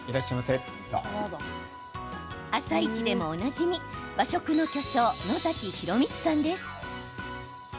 「あさイチ」でもおなじみ和食の巨匠、野崎洋光さんです。